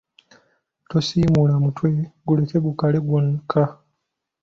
Tosiimuula mutwe guleke gukale gwokka